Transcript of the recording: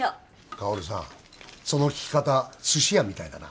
香さんその聞き方寿司屋みたいだな